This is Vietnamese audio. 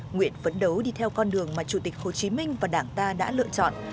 nguyện phấn đấu đi theo con đường mà chủ tịch hồ chí minh và đảng ta đã lựa chọn